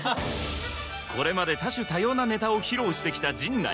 これまで多種多様なネタを披露してきた陣内